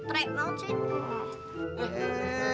treg mau sih